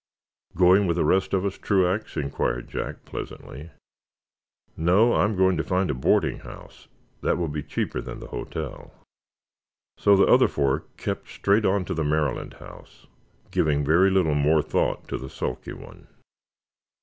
"Going with the rest of us, Truax?" inquired Jack, pleasantly. "No; I'm going to find a boarding house. That will be cheaper than the hotel." So the other four kept straight on to the Maryland House, giving very little more thought to the sulky one.